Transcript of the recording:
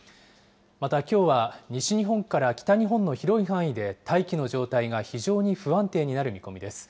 また、きょうは西日本から北日本の広い範囲で大気の状態が非常に不安定になる見込みです。